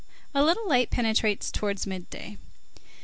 A little light penetrates towards midday.